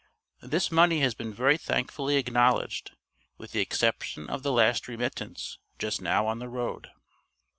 This money has been very thankfully acknowledged, with the exception of the last remittance just now on the road.